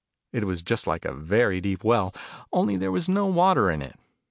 It was just like a very deep well : only there was no water in it.